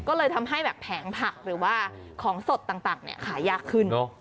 ก็เลยทำให้แบบแผงผักหรือว่าของสดต่างขายยากขึ้น